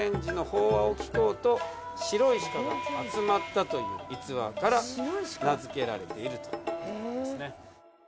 白い鹿が集まったという逸話から名付けられているということですね。